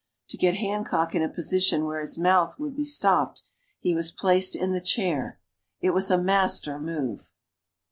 To get Hancock in a position where his mouth would be stopped, he was placed in the chair. It was a master move.